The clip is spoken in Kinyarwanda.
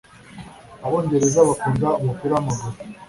abongereza bakunda umupira wamaguru